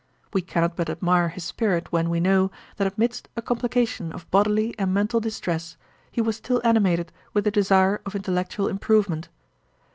We cannot but admire his spirit when we know, that amidst a complication of bodily and mental distress, he was still animated with the desire of intellectual improvement.